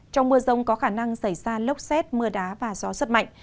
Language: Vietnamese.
trong mưa rông có khả năng xảy ra lốc xét mưa đá và gió rất mạnh